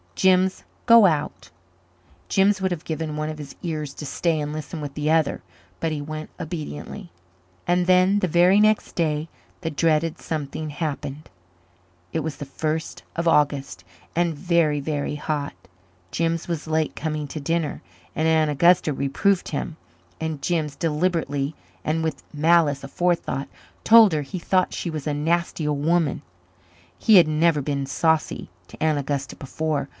"Jims, go out." Jims would have given one of his ears to stay and listen with the other. But he went obediently. And then, the very next day, the dreaded something happened. It was the first of August and very, very hot. Jims was late coming to dinner and Aunt Augusta reproved him and Jims, deliberately, and with malice aforethought, told her he thought she was a nasty old woman. He had never been saucy to Aunt Augusta before.